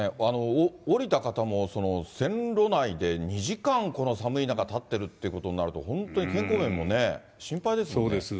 降りた方も、線路内で２時間、この寒い中、立ってるってことになると、本当に健康面もね、心配ですよね。